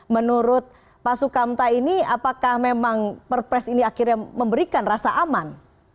menurut pak sukamta ini apakah memang perpres ini akhirnya memberikan rasa aman